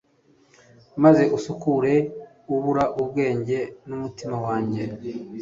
maze usukure ubura bwanjye n'umutima wanjye